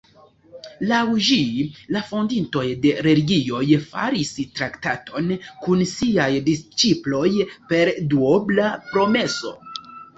Laŭ ĝi, la fondintoj de religioj faris traktaton kun siaj disĉiploj per duobla promeso.